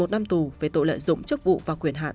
một mươi một năm tù về tội lợi dụng chức vụ và quyền hạn